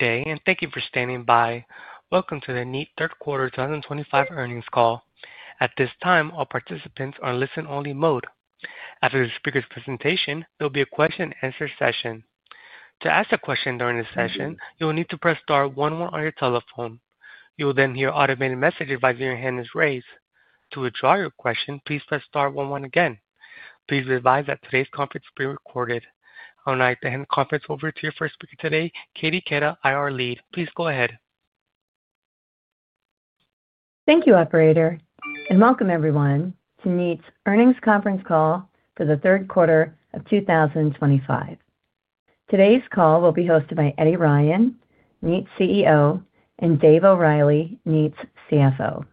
Good day, and thank you for standing by. Welcome to the Kneat Third Quarter 2025 Earnings Call. At this time, all participants are in listen-only mode. After the speaker's presentation, there will be a question-and-answer session. To ask a question during this session, you will need to press star one one on your telephone. You will then hear an automated message advising your hand is raised. To withdraw your question, please press star one one again. Please advise that today's conference is being recorded. I will now hand the conference over to your first speaker today, Katie Keita, IR Lead. Please go ahead. Thank you, Operator, and welcome everyone to Kneat's earnings conference call for the third quarter of 2025. Today's call will be hosted by Eddie Ryan, Kneat CEO, and Dave O'Reilly, Kneat CFO.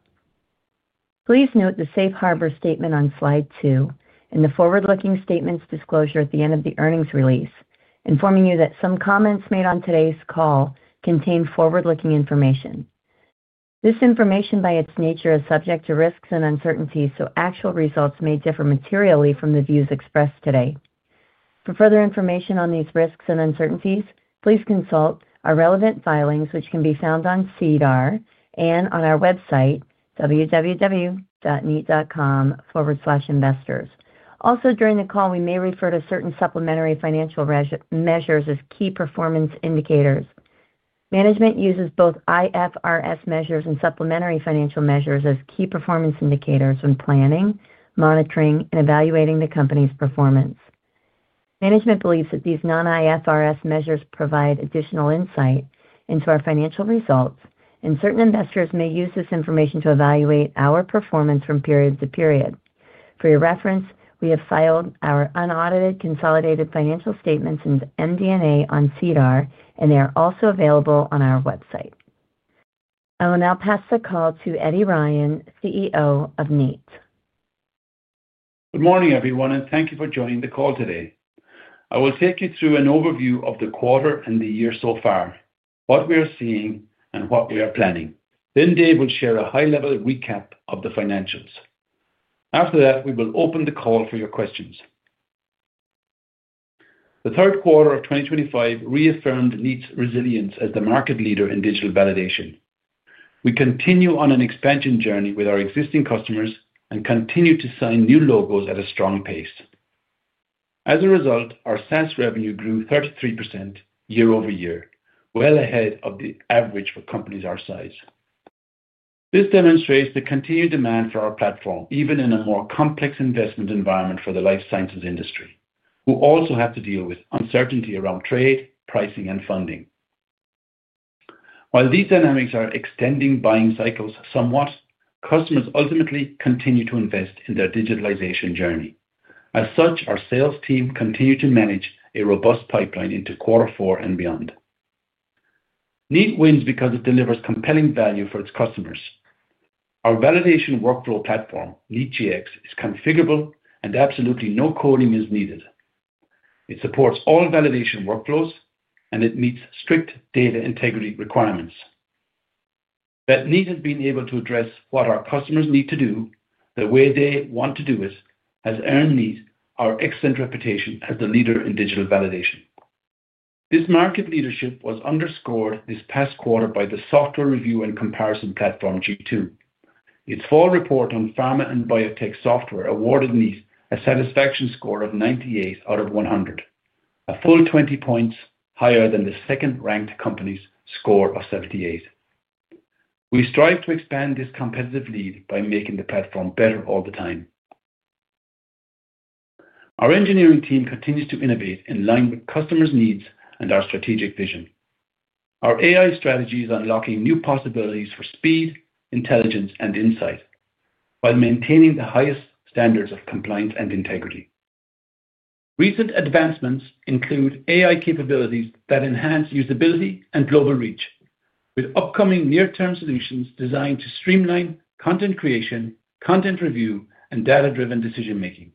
Please note the safe harbor statement on slide two and the forward-looking statements disclosure at the end of the earnings release, informing you that some comments made on today's call contain forward-looking information. This information, by its nature, is subject to risks and uncertainties, so actual results may differ materially from the views expressed today. For further information on these risks and uncertainties, please consult our relevant filings, which can be found on SEDAR and on our website, www.kneat.com/investors. Also, during the call, we may refer to certain supplementary financial measures as key performance indicators. Management uses both IFRS measures and supplementary financial measures as key performance indicators when planning, monitoring, and evaluating the company's performance. Management believes that these non-IFRS measures provide additional insight into our financial results, and certain investors may use this information to evaluate our performance from period to period. For your reference, we have filed our unaudited consolidated financial statements and MD&A on SEDAR, and they are also available on our website. I will now pass the call to Eddie Ryan, CEO of Kneat. Good morning, everyone, and thank you for joining the call today. I will take you through an overview of the quarter and the year so far, what we are seeing, and what we are planning. Then Dave will share a high-level recap of the financials. After that, we will open the call for your questions. The third quarter of 2025 reaffirmed Kneat.com's resilience as the market leader in digital validation. We continue on an expansion journey with our existing customers and continue to sign new logos at a strong pace. As a result, our SaaS revenue grew 33% year-over-year, well ahead of the average for companies our size. This demonstrates the continued demand for our platform, even in a more complex investment environment for the life sciences industry, who also have to deal with uncertainty around trade, pricing, and funding. While these dynamics are extending buying cycles somewhat, customers ultimately continue to invest in their digitalization journey. As such, our sales team continues to manage a robust pipeline into quarter four and beyond. Kneat. wins because it delivers compelling value for its customers. Our validation workflow platform, Kneat Gx, is configurable and absolutely no coding is needed. It supports all validation workflows, and it meets strict data integrity requirements. That Kneat. has been able to address what our customers need to do the way they want to do it has earned Kneat. our excellent reputation as the leader in digital validation. This market leadership was underscored this past quarter by the software review and comparison platform, G2. Its full report on pharma and biotech software awarded Kneat, a satisfaction score of 98 out of 100, a full 20 points higher than the second-ranked company's score of 78. We strive to expand this competitive lead by making the platform better all the time. Our engineering team continues to innovate in line with customers' needs and our strategic vision. Our AI strategy is unlocking new possibilities for speed, intelligence, and insight while maintaining the highest standards of compliance and integrity. Recent advancements include AI capabilities that enhance usability and global reach, with upcoming near-term solutions designed to streamline content creation, content review, and data-driven decision-making.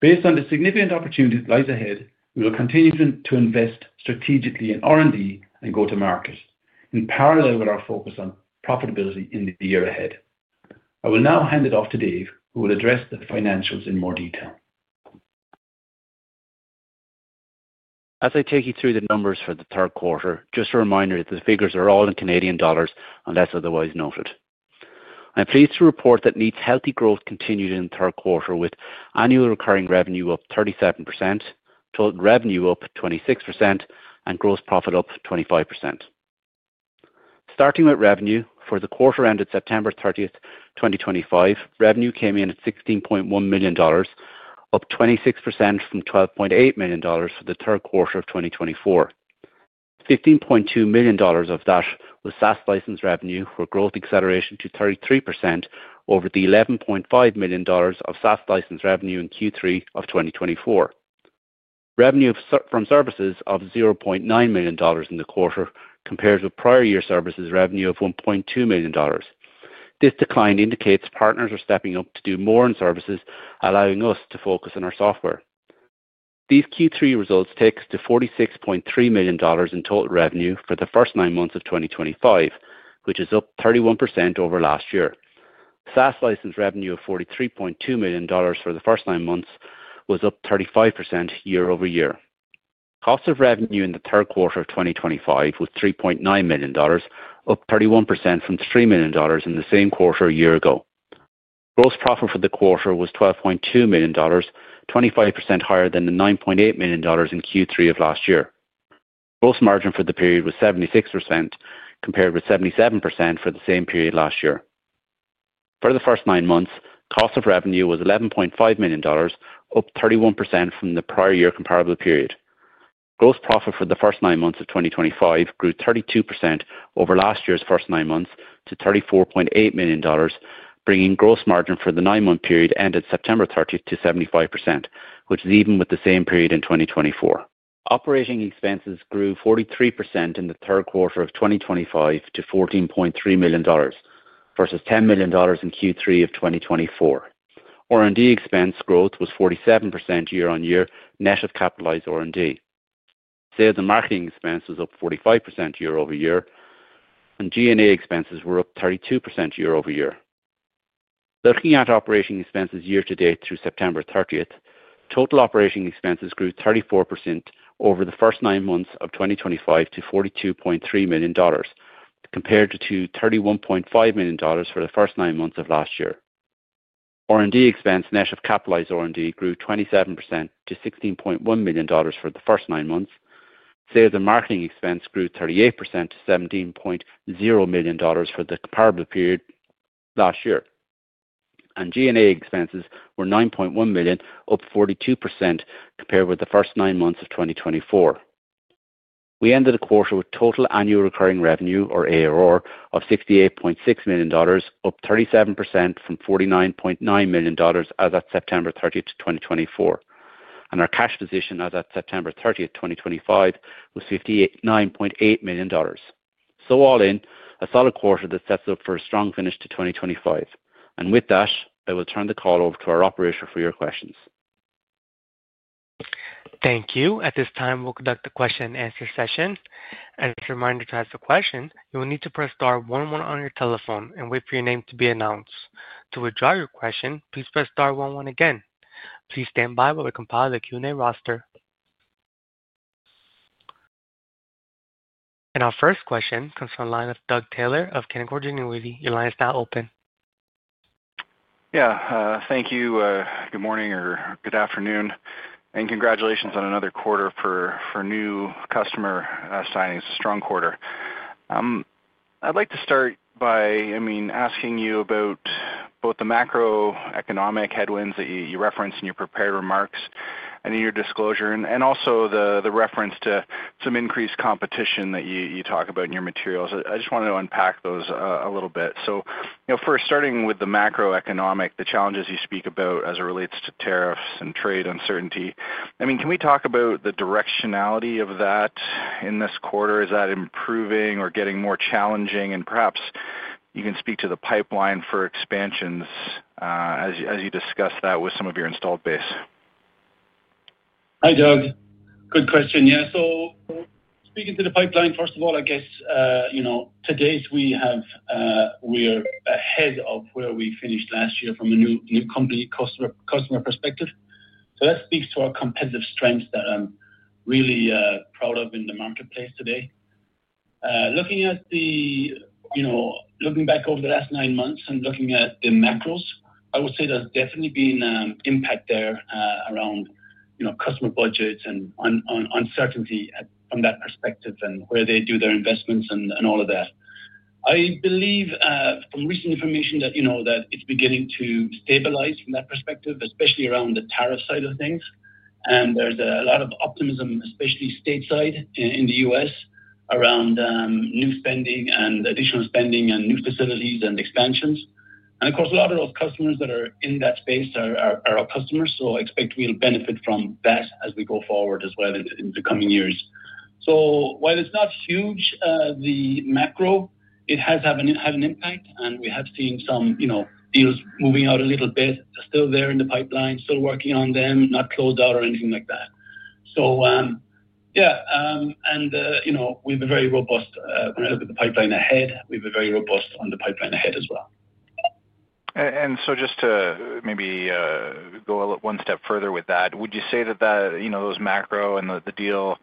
Based on the significant opportunities that lie ahead, we will continue to invest strategically in R&D and go-to-market in parallel with our focus on profitability in the year ahead. I will now hand it off to Dave, who will address the financials in more detail. As I take you through the numbers for the third quarter, just a reminder that the figures are all in Canadian dollars unless otherwise noted. I'm pleased to report that Kneat's healthy growth continued in the third quarter, with annual recurring revenue up 37%, total revenue up 26%, and gross profit up 25%. Starting with revenue, for the quarter ended September 30, 2025, revenue came in at 16.1 million dollars, up 26% from 12.8 million dollars for the third quarter of 2024. 15.2 million dollars of that was SaaS license revenue for growth acceleration to 33% over the CAD one one.5 million of SaaS license revenue in Q3 of 2024. Revenue from services of 0.9 million dollars in the quarter compares with prior year services revenue of 1.2 million dollars. This decline indicates partners are stepping up to do more in services, allowing us to focus on our software. These Q3 results take us to 46.3 million dollars in total revenue for the first nine months of 2025, which is up 31% over last year. SaaS license revenue of 43.2 million dollars for the first nine months was up 35% year-over-year. Cost of revenue in the third quarter of 2025 was 3.9 million dollars, up 31% from 3 million dollars in the same quarter a year ago. Gross profit for the quarter was 12.2 million dollars, 25% higher than the 9.8 million dollars in Q3 of last year. Gross margin for the period was 76%, compared with 77% for the same period last year. For the first nine months, cost of revenue was CAD one one.5 million, up 31% from the prior year comparable period. Gross profit for the first nine months of 2025 grew 32% over last year's first nine months to 34.8 million dollars, bringing gross margin for the nine-month period ended September 30th to 75%, which is even with the same period in 2024. Operating expenses grew 43% in the third quarter of 2025 to 14.3 million dollars versus 10 million dollars in Q3 of 2024. R&D expense growth was 47% year on year net of capitalized R&D. Sales and marketing expenses up 45% year-over-year, and G&A expenses were up 32% year-over-year. Looking at operating expenses year to date through September 30th, total operating expenses grew 34% over the first nine months of 2025 to 42.3 million dollars, compared to 31.5 million dollars for the first nine months of last year. R&D expense net of capitalized R&D grew 27% to 16.1 million dollars for the first nine months. Sales and marketing expense grew 38% to 17.0 million dollars for the comparable period last year. G&A expenses were 9.1 million, up 42%, compared with the first nine months of 2024. We ended the quarter with total annual recurring revenue, or ARR, of 68.6 million dollars, up 37% from 49.9 million dollars as of September 30, 2024. Our cash position as of September 30, 2025, was 59.8 million dollars. All in, a solid quarter that sets up for a strong finish to 2025. With that, I will turn the call over to our operator for your questions. Thank you. At this time, we'll conduct the question-and-answer session. As a reminder to ask a question, you will need to press star one one on your telephone and wait for your name to be announced. To withdraw your question, please press star one one again. Please stand by while we compile the Q&A roster. Our first question comes from the line of Doug Taylor of Canaccord Genuity, your line is now open. Yeah, thank you. Good morning or good afternoon. Congratulations on another quarter for new customer signings, a strong quarter. I'd like to start by, I mean, asking you about both the macroeconomic headwinds that you referenced in your prepared remarks and in your disclosure, and also the reference to some increased competition that you talk about in your materials. I just wanted to unpack those a little bit. First, starting with the macroeconomic, the challenges you speak about as it relates to tariffs and trade uncertainty. I mean, can we talk about the directionality of that in this quarter? Is that improving or getting more challenging? Perhaps you can speak to the pipeline for expansions as you discuss that with some of your installed base. Hi, Doug. Good question. Yeah, so speaking to the pipeline, first of all, I guess today we are ahead of where we finished last year from a new company customer perspective. That speaks to our competitive strengths that I'm really proud of in the marketplace today. Looking back over the last nine months and looking at the macros, I would say there's definitely been impact there around customer budgets and uncertainty from that perspective and where they do their investments and all of that. I believe from recent information that it's beginning to stabilize from that perspective, especially around the tariff side of things. There's a lot of optimism, especially stateside in the U.S., around new spending and additional spending and new facilities and expansions. Of course, a lot of those customers that are in that space are our customers, so I expect we'll benefit from that as we go forward as well in the coming years. While it's not huge, the macro, it has had an impact, and we have seen some deals moving out a little bit, still there in the pipeline, still working on them, not closed out or anything like that. Yeah, and we have a very robust, when I look at the pipeline ahead, we have a very robust pipeline ahead as well. Just to maybe go one step further with that, would you say that those macro and the deal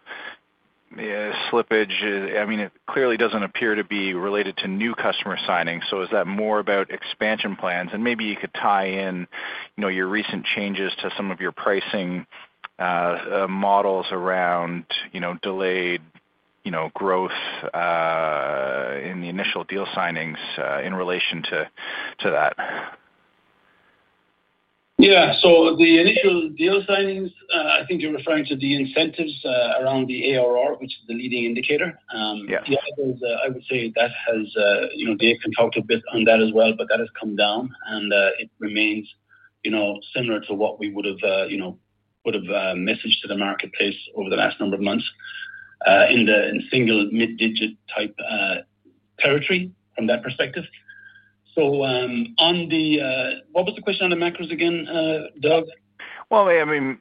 slippage, I mean, it clearly doesn't appear to be related to new customer signings. Is that more about expansion plans? Maybe you could tie in your recent changes to some of your pricing models around delayed growth in the initial deal signings in relation to that. Yeah, so the initial deal signings, I think you're referring to the incentives around the ARR, which is the leading indicator. Yeah, I would say that has Dave can talk a bit on that as well, but that has come down, and it remains similar to what we would have messaged to the marketplace over the last number of months in the single mid-digit type territory from that perspective. On the, what was the question on the macros again, Doug? I mean,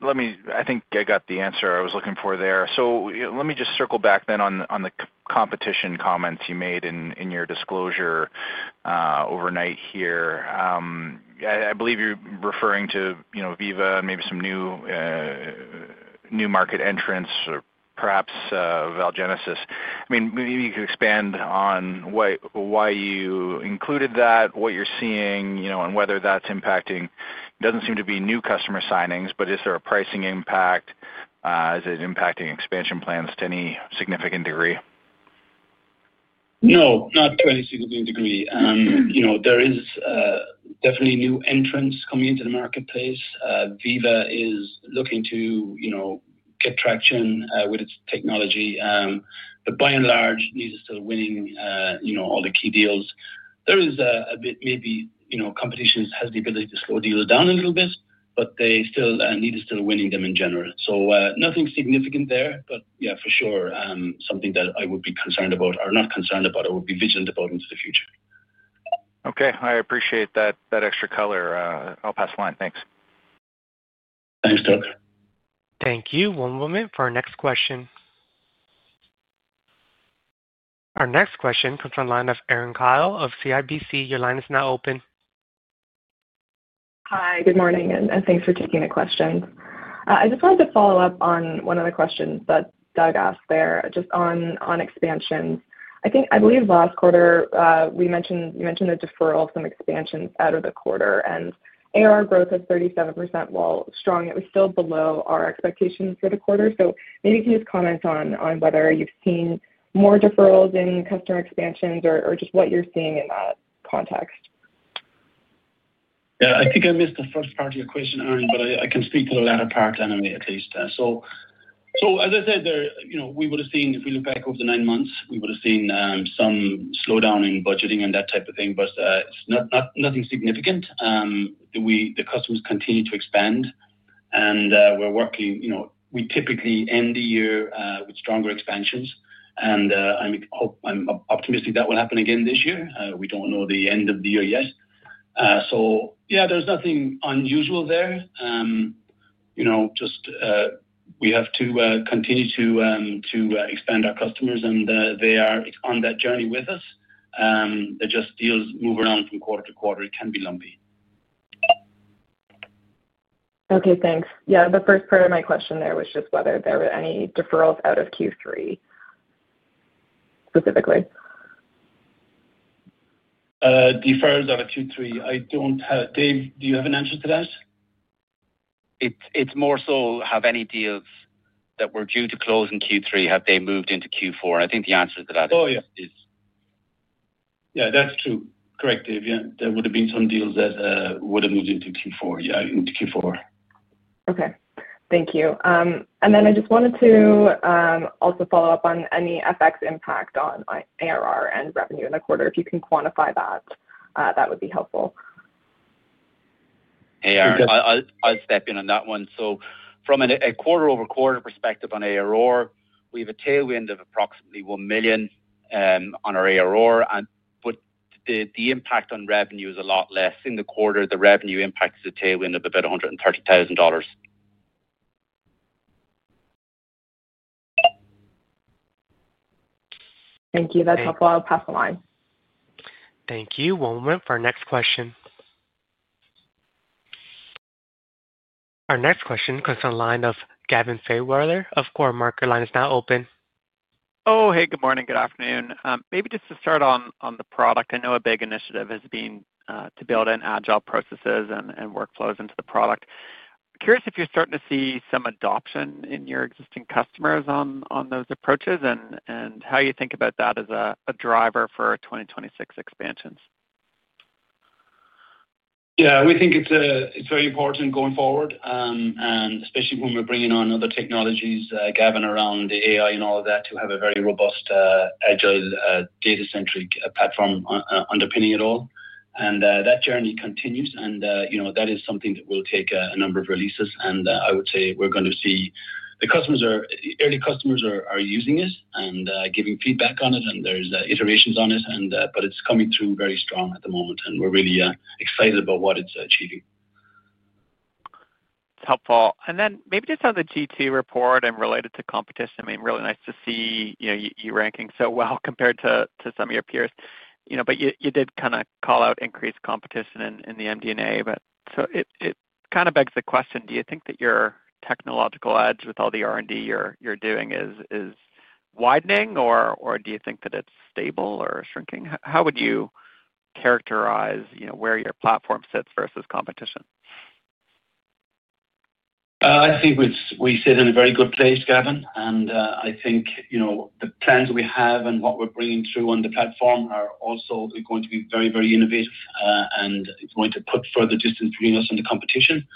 I think I got the answer I was looking for there. Let me just circle back then on the competition comments you made in your disclosure overnight here. I believe you're referring to Veeva and maybe some new market entrants or perhaps ValGenesis. I mean, maybe you could expand on why you included that, what you're seeing, and whether that's impacting. It doesn't seem to be new customer signings, but is there a pricing impact? Is it impacting expansion plans to any significant degree? No, not to any significant degree. There is definitely new entrants coming into the marketplace. Veeva is looking to get traction with its technology. By and large, Kneat is still winning all the key deals. There is a bit maybe competition has the ability to slow deals down a little bit, but Kneat is still winning them in general. Nothing significant there, but yeah, for sure, something that I would be concerned about or not concerned about or would be vigilant about into the future. Okay, I appreciate that extra color. I'll pass the line. Thanks. Thanks, Doug. Thank you. One moment for our next question. Our next question comes from the line of Erin Kyle of CIBC. Your line is now open. Hi, good morning, and thanks for taking the question. I just wanted to follow up on one of the questions that Doug asked there just on expansions. I believe last quarter, you mentioned a deferral of some expansions out of the quarter, and ARR growth of 37% while strong, it was still below our expectations for the quarter. Maybe can you just comment on whether you've seen more deferrals in customer expansions or just what you're seeing in that context? Yeah, I think I missed the first part of your question, Erin, but I can speak to the latter part anyway, at least. As I said, we would have seen, if we look back over the nine months, we would have seen some slowdown in budgeting and that type of thing, but nothing significant. The customers continue to expand, and we're working. We typically end the year with stronger expansions, and I'm optimistic that will happen again this year. We do not know the end of the year yet. Yeah, there is nothing unusual there. We just have to continue to expand our customers, and they are on that journey with us. They are just deals move around from quarter to quarter. It can be lumpy. Okay, thanks. Yeah, the first part of my question there was just whether there were any deferrals out of Q3 specifically. Deferrals out of Q3. Dave, do you have an answer to that? It's more so have any deals that were due to close in Q3, have they moved into Q4? I think the answer to that is. Oh, yeah. Yeah, that's true. Correct, Dave. There would have been some deals that would have moved into Q4, yeah, into Q4. Okay, thank you. I just wanted to also follow up on any effects impact on ARR and revenue in the quarter. If you can quantify that, that would be helpful. ARR, I'll step in on that one. From a quarter-over-quarter perspective on ARR, we have a tailwind of approximately $1 million on our ARR, but the impact on revenue is a lot less. In the quarter, the revenue impacts the tailwind of about $130,000. Thank you. That's helpful. I'll pass the line. Thank you. One moment for our next question. Our next question comes from the line of Gavin Fairweather of Cormark. Line is now open. Oh, hey, good morning, good afternoon. Maybe just to start on the product, I know a big initiative has been to build in agile processes and workflows into the product. Curious if you're starting to see some adoption in your existing customers on those approaches and how you think about that as a driver for 2026 expansions. Yeah, we think it's very important going forward, especially when we're bringing on other technologies, Gavin, around the AI and all of that, to have a very robust, agile, data-centric platform underpinning it all. That journey continues, and that is something that will take a number of releases. I would say we're going to see the customers, our early customers, are using it and giving feedback on it, and there's iterations on it, but it's coming through very strong at the moment, and we're really excited about what it's achieving. It's helpful. And then maybe just on the G2 report and related to competition, I mean, really nice to see you ranking so well compared to some of your peers. But you did kind of call out increased competition in the MD&A, but so it kind of begs the question, do you think that your technological edge with all the R&D you're doing is widening, or do you think that it's stable or shrinking? How would you characterize where your platform sits versus competition? I think we sit in a very good place, Gavin. I think the plans we have and what we're bringing through on the platform are also going to be very, very innovative, and it's going to put further distance between us and the competition.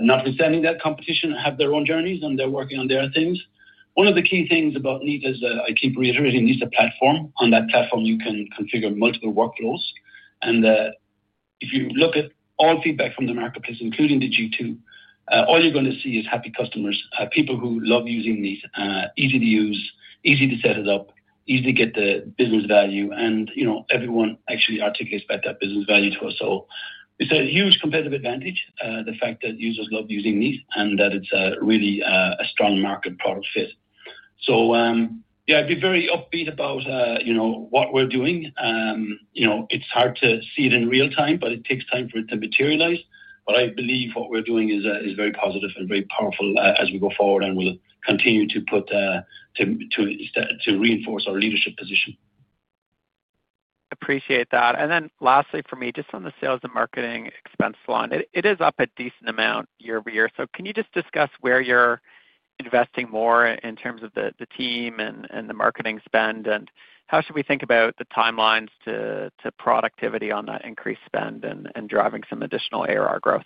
Notwithstanding that competition have their own journeys, and they're working on their things. One of the key things about Kneat, I keep reiterating, it's a platform. On that platform, you can configure multiple workflows. If you look at all feedback from the marketplace, including G2, all you're going to see is happy customers, people who love using Kneat. Easy to use, easy to set it up, easy to get the business value, and everyone actually articulates about that business value to us. It's a huge competitive advantage, the fact that users love using Kneat. It is really a strong market product fit. Yeah, I'd be very upbeat about what we're doing. It's hard to see it in real time, but it takes time for it to materialize. I believe what we're doing is very positive and very powerful as we go forward, and we'll continue to reinforce our leadership position. Appreciate that. Lastly for me, just on the sales and marketing expense line, it is up a decent amount year-over-year. Can you just discuss where you're investing more in terms of the team and the marketing spend, and how should we think about the timelines to productivity on that increased spend and driving some additional ARR growth?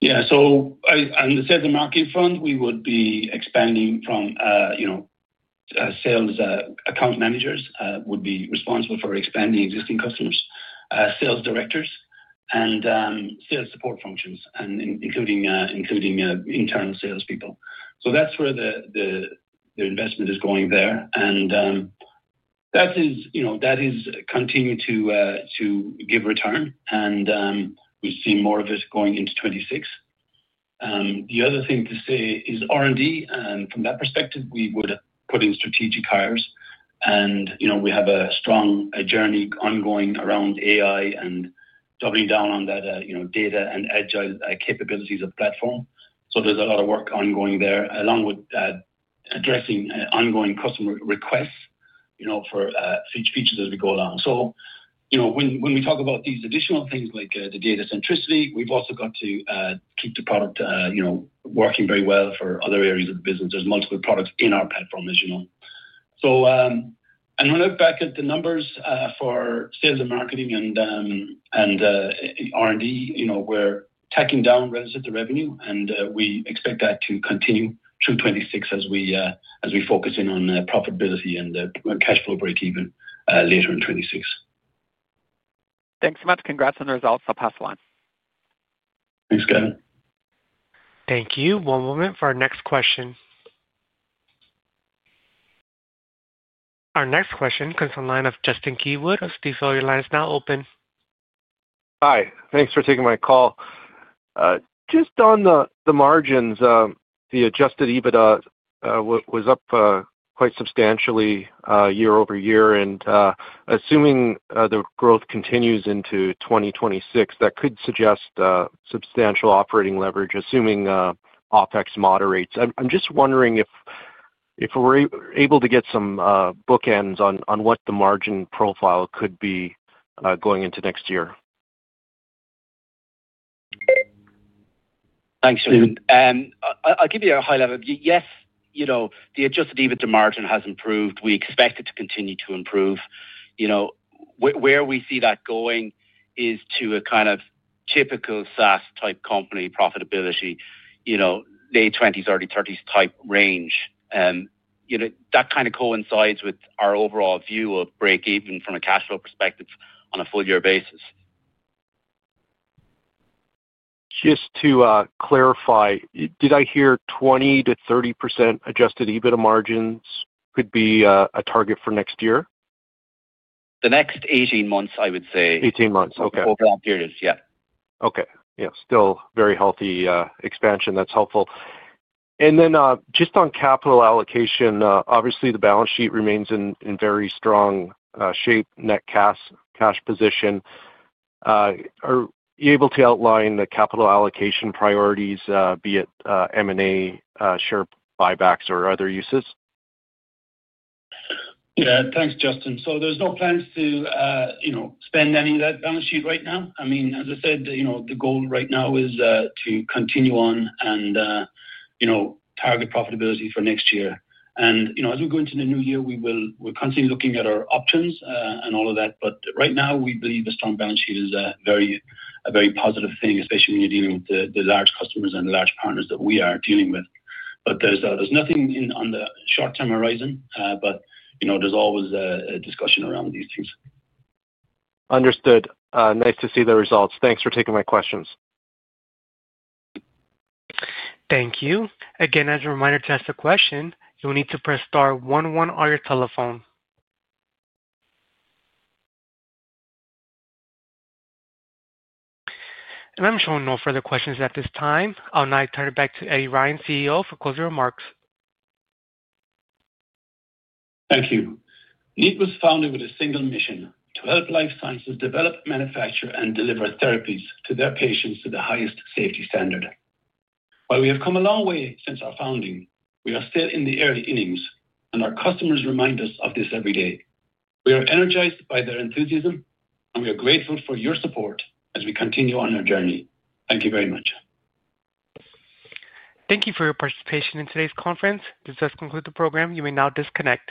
Yeah, so on the sales and marketing front, we would be expanding from sales account managers would be responsible for expanding existing customers, sales directors, and sales support functions, including internal salespeople. That is where the investment is going there. That is continuing to give return, and we've seen more of it going into 2026. The other thing to say is R&D. From that perspective, we would put in strategic hires. We have a strong journey ongoing around AI and doubling down on that data and agile capabilities of the platform. There is a lot of work ongoing there, along with addressing ongoing customer requests for features as we go along. When we talk about these additional things like the data centricity, we've also got to keep the product working very well for other areas of the business. There's multiple products in our platform, as you know. When I look back at the numbers for sales and marketing and R&D, we're tacking down relative to revenue, and we expect that to continue through 2026 as we focus in on profitability and cash flow break-even later in 2026. Thanks so much. Congrats on the results. I'll pass the line. Thanks, Gavin. Thank you. One moment for our next question. Our next question comes from the line of Justin Keywood of Stifel. Your line is now open. Hi, thanks for taking my call. Just on the margins, the adjusted EBITDA was up quite substantially year-over-year. Assuming the growth continues into 2026, that could suggest substantial operating leverage, assuming OpEx moderates. I'm just wondering if we're able to get some bookends on what the margin profile could be going into next year. Thanks, Steven. I'll give you a high level. Yes, the adjusted EBITDA margin has improved. We expect it to continue to improve. Where we see that going is to a kind of typical SaaS-type company profitability, late 20s-early 30s % range. That kind of coincides with our overall view of break-even from a cash flow perspective on a full-year basis. Just to clarify, did I hear 20%-30% adjusted EBITDA margins could be a target for next year? The next 18 months, I would say. 18 months. Okay. Overall periods, yeah. Okay. Yeah, still very healthy expansion. That's helpful. Then just on capital allocation, obviously the balance sheet remains in very strong shape, net cash position. Are you able to outline the capital allocation priorities, be it M&A, share buybacks, or other uses? Yeah, thanks, Justin. There are no plans to spend any of that balance sheet right now. I mean, as I said, the goal right now is to continue on and target profitability for next year. As we go into the new year, we're constantly looking at our options and all of that. Right now, we believe a strong balance sheet is a very positive thing, especially when you're dealing with the large customers and large partners that we are dealing with. There is nothing on the short-term horizon, but there's always a discussion around these things. Understood. Nice to see the results. Thanks for taking my questions. Thank you. Again, as a reminder to ask a question, you'll need to press star one one on your telephone. I'm showing no further questions at this time. I'll now turn it back to Eddie Ryan, CEO, for closing remarks. Thank you. Kneat was founded with a single mission: to help life sciences develop, manufacture, and deliver therapies to their patients to the highest safety standard. While we have come a long way since our founding, we are still in the early innings, and our customers remind us of this every day. We are energized by their enthusiasm, and we are grateful for your support as we continue on our journey. Thank you very much. Thank you for your participation in today's conference. This does conclude the program. You may now disconnect.